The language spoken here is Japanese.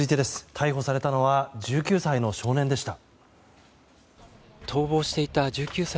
逮捕されたのは１９歳の少年でした。